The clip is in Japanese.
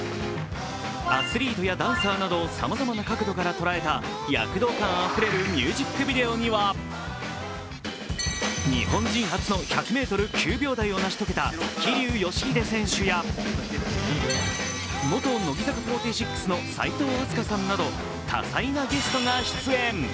アスリートやダンサーなどをさまざまな角度から捉えた躍動感あふれるミュージックビデオには日本人初の１００ｍ９秒台を成し遂げた桐生祥秀選手や、元乃木坂４６の齋藤飛鳥さんなど多彩なゲストが出演。